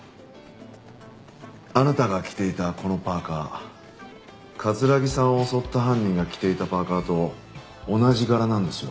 あなたが着ていたこのパーカ城さんを襲った犯人が着ていたパーカと同じ柄なんですよ。